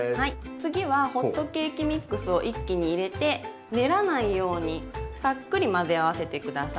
次はホットケーキミックスを一気に入れて練らないようにさっくり混ぜ合わせて下さい。